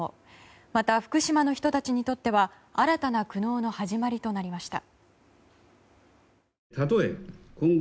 また、福島の人たちにとっては新たな苦悩の始まりとなりました。